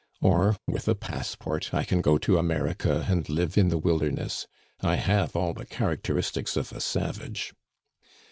Or, with a passport, I can go to America and live in the wilderness. I have all the characteristics of a savage.